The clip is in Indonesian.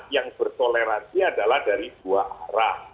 yang bertoleransi adalah dari dua arah